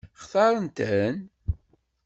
Xtaṛen-ten?